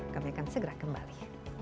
kami akan segera kembali